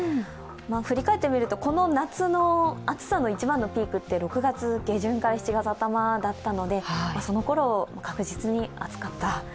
振り返って見ると、この夏の暑さの一番のピークって６月下旬から７月頭だったのでそのころは確実に暑かった。